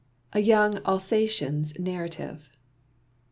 A YOUNG ALSATIAN'S NARRATIVE.